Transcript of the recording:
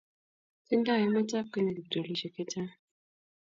Tindo emet ab kenya kiptulishek che chang